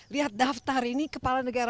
lihat daftar ini kepala negara